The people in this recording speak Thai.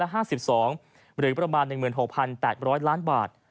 หรือประมาณ๑๖๘๐๐ล้านบาท